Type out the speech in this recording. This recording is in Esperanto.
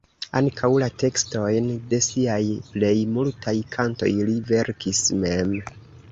Ankaŭ la tekstojn de siaj plej multaj kantoj li verkis mem.